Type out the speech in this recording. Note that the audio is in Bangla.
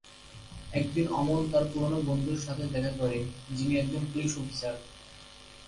একদিন অমল তার পুরনো বন্ধুর সাথে দেখা করে, যিনি একজন পুলিশ অফিসার।